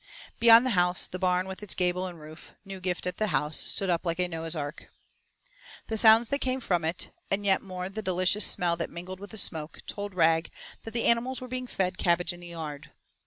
Beyond the house the barn with its gable and roof, new gift at the house, stood up like a Noah's ark. The sounds that came from it, and yet more the delicious smell that mingled with the smoke, told Rag that the animals were being fed cabbage in the yard.